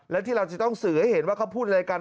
และที่เราจะต้องสื่อให้เห็นว่าเขาพูดอะไรกัน